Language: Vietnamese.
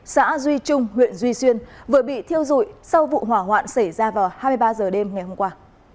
xã duy trung huyện duy xuyên vừa bị thiêu dụi sau vụ hỏa hoạn xảy ra vào hai mươi ba h đêm ngày hôm qua